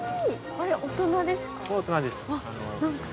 これ、大人ですか。